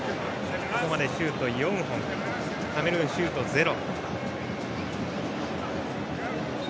ここまでシュートは４本カメルーンはシュート、ゼロ。